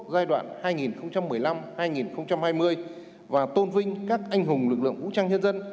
giai đoạn hai nghìn một mươi năm hai nghìn hai mươi và tôn vinh các anh hùng lực lượng vũ trang nhân dân